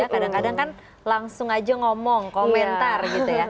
kadang kadang kan langsung aja ngomong komentar